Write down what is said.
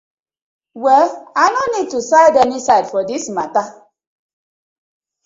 Well I no need to side any side for dis matta.